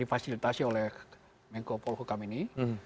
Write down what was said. difasilitasi oleh menko polhukam ini